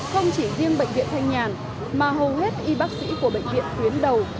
không chỉ riêng bệnh viện thanh nhàn mà hầu hết y bác sĩ của bệnh viện tuyến đầu